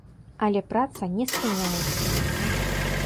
Але праца не спыняецца!